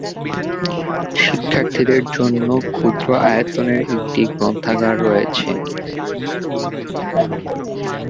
শিক্ষার্থীদের জন্য ক্ষুদ্র আয়তনের একটি গ্রন্থাগার রয়েছে।